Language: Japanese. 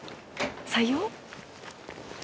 「採用？」